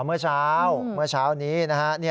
เมื่อเช้าเมื่อเช้านี้นะฮะ